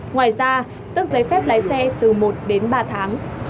ngoài ra tước giấy phép lái xe từ một đến ba tháng